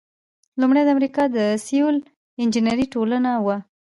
لومړۍ د امریکا د سیول انجینری ټولنه وه.